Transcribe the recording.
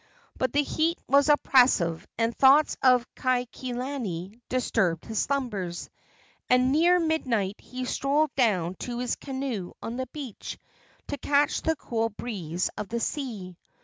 But the heat was oppressive, and thoughts of Kaikilani disturbed his slumbers, and near midnight he strolled down to his canoe on the beach to catch the cool breeze of the sea.